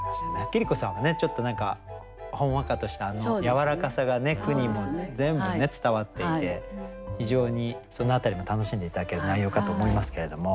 桐子さんはちょっと何かほんわかとしたあの柔らかさがね句にも全部伝わっていて非常にその辺りも楽しんで頂ける内容かと思いますけれども。